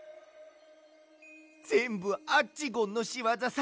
ぜんぶアッチゴンのしわざさ。